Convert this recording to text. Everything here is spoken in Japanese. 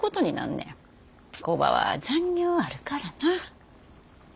工場は残業あるからな。